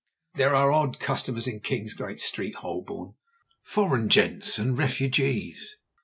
There are odd customers in Kingsgate Street, Holborn—foreign gents and refugees.